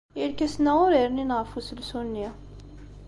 Irkasen-a ur rnin ɣef uselsu-nni.